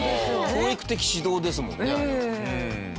教育的指導ですもんねあれって。